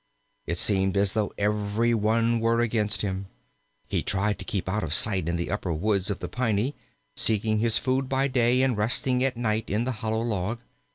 It seemed as though every one were against him. He tried to keep out of sight in the upper woods of the Piney, seeking his food by day and resting at night in the hollow log.